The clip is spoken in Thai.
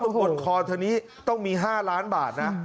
บนคอเธอนี้ต้องมี๕ล้านบาทนะ